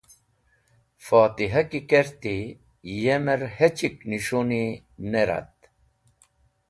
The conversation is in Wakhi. Fotihah ki kerti, yemer hechik nis̃honi ne ret.